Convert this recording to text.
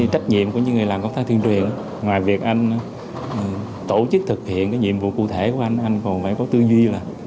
trách nhiệm của những người làm công tác tuyên truyền ngoài việc anh tổ chức thực hiện cái nhiệm vụ cụ thể của anh anh còn phải có tư duy là